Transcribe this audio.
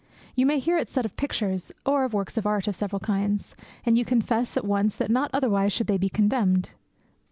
You may hear it said of pictures, or works of art of several kinds, and you confess at once that not otherwise should they be condemned.